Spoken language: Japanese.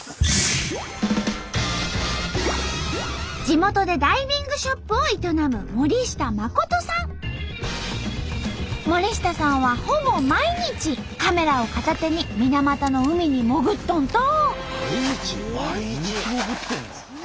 地元でダイビングショップを営む森下さんはほぼ毎日カメラを片手に水俣の海に潜っとんと！